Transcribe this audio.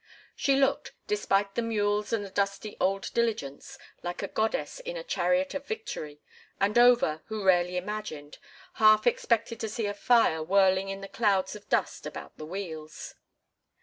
She looked, despite the mules and the dusty old diligence, like a goddess in a chariot of victory, and Over, who rarely imagined, half expected to see fire whirling in the clouds of dust about the wheels.